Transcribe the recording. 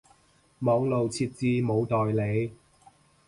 網路設置冇代理